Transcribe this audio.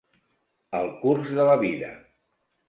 El curs de la vida.